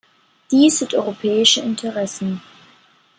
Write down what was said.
Dies sind europäische Interessen.